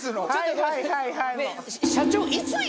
はいはいはいはい。